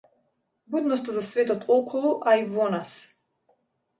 Будност за светот околу, а и во нас.